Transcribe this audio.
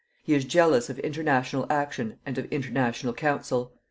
He is jealous of international action and of international council.